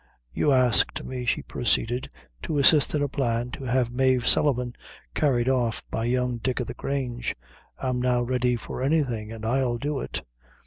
"You asked me," she proceeded, "to assist in a plan to have Mave Sullivan carried off by young Dick o' the Grange I'm now ready for anything, and I'll do it.